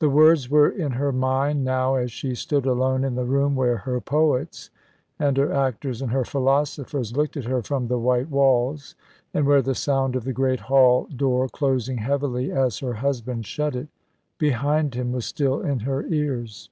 The words were in her mind now as she stood alone in the room where her poets, and her actors, and her philosophers, looked at her from the white walls, and where the sound of the great hall door closing heavily as her husband shut it behind him was still in her ears.